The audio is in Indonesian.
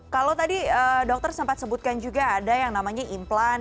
kalau tadi dokter sempat sebutkan juga ada yang namanya implan